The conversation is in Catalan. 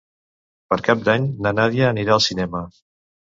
Per Cap d'Any na Nàdia anirà al cinema.